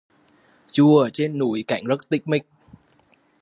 Chùa trên núi cảnh rất tịch mịch